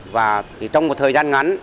và trong một thời gian ngắn